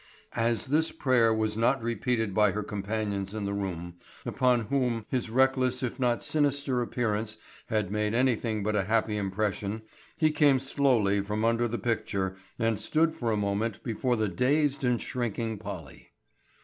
As this prayer was not repeated by her companions in the room, upon whom his reckless if not sinister appearance had made anything but a happy impression, he came slowly from under the picture and stood for a moment before the dazed and shrinking Polly.